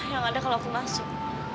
yang ada kalau aku masuk